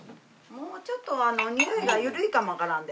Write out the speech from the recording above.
もうちょっとニオイがゆるいかもわからんで。